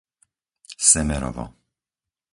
Semerovo